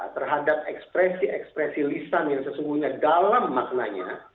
terhadap ekspresi ekspresi lisan yang sesungguhnya dalam maknanya